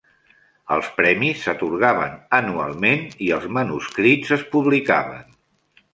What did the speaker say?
Els premis s'atorgaven anualment i els manuscrits es publicaven.